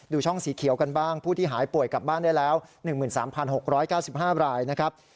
ช่องสีเขียวกันบ้างผู้ที่หายป่วยกลับบ้านได้แล้ว๑๓๖๙๕รายนะครับ